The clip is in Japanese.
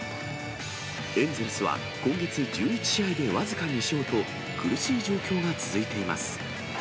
エンゼルスは今月１１試合で僅か２勝と苦しい状況が続いています。